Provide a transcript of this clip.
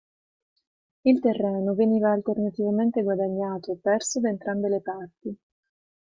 Il terreno veniva alternativamente guadagnato e perso da entrambe le parti.